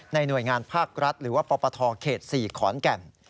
หน่วยงานภาครัฐหรือว่าปปทเขต๔ขอนแก่น